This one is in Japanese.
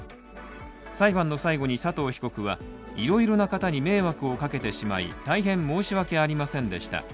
裁判の最後に佐藤被告は、いろいろな方に迷惑をかけてしまい大変申し訳ありませんでした。